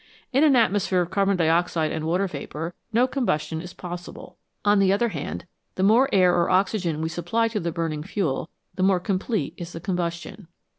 In an atmosphere of carbon dioxide and water vapour no combustion is possible. On the other hand, the more air or oxygen we supply to the burning fuel, the more complete is the combustion.